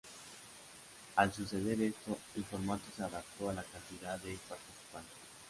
Al suceder esto, el formato se adaptó a la cantidad de participantes.